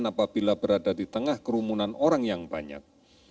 apabila berada di tengah kerumunan orang yang banyak